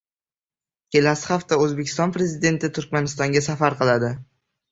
Kelasi hafta O‘zbekiston Prezidenti Turkmanistonga safar qiladi